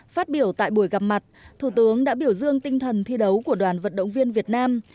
phát biểu tại buổi gặp mặt thủ tướng đã biểu dương tinh thần thi đấu của đoàn vận động viên việt nam